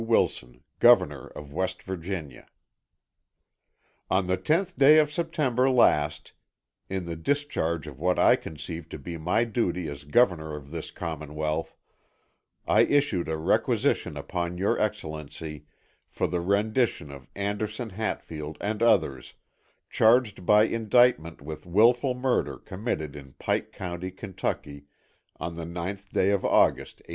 Wilson, Governor of West Virginia. On the tenth day of September last, in the discharge of what I conceived to be my duty as Governor of this Commonwealth, I issued a requisition upon your Excellency for the rendition of Anderson Hatfield and others, charged by indictment with wilful murder committed in Pike County, Kentucky, on the 9th day of August, 1882.